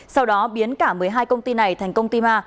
sau đó biến cả một mươi hai công ty này thành công ty ma